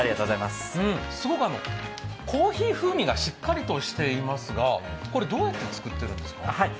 すごくコーヒー風味がしっかりとしていますが、これ、どうやって作ってるんですか？